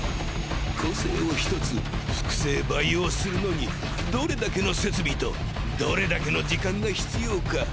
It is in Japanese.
個性を１つ複製培養するのにどれだけの設備とどれだけの時間が必要か？